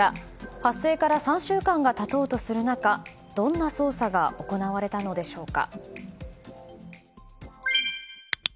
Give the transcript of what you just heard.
発生から３週間が経とうとする中どんな捜査が行われたのでしょうか。